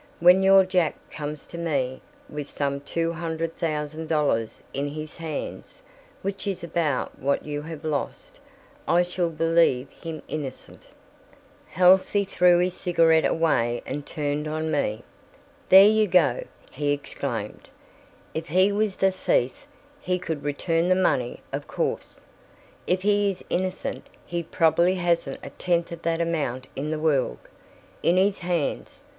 When your Jack comes to me, with some two hundred thousand dollars in his hands, which is about what you have lost, I shall believe him innocent." Halsey threw his cigarette away and turned on me. "There you go!" he exclaimed. "If he was the thief, he could return the money, of course. If he is innocent, he probably hasn't a tenth of that amount in the world. In his hands!